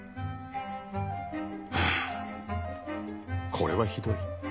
これはひどい。